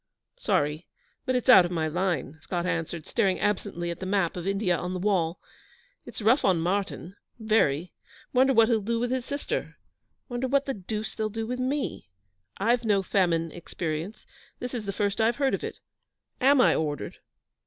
'Sorry, but it's out of my line,' Scott answered, staring absently at the map of India on the wall. 'It's rough on Martyn very. Wonder what he'll do with his sister. Wonder what the deuce they'll do with me? I've no famine experience. This is the first I've heard of it. Am I ordered?'